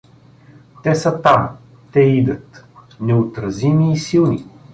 Те са там, те идат, неотразими и силни.